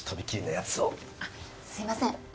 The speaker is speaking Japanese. すいません。